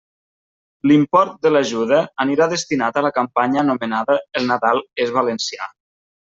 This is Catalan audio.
L'import de l'ajuda anirà destinat a la campanya anomenada «El Nadal és valencià».